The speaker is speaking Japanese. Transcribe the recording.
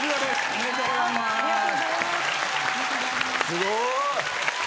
すごーい！